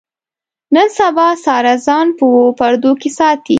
نن سبا ساره ځان په اوو پردو کې ساتي.